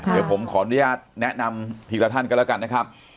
เดี๋ยวผมขออนุญาตแนะนำทีละท่านก็แล้วกันนะครับ